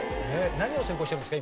何を専攻しているんですか？